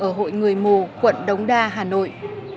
ở hội người mù quận đống đa hà nội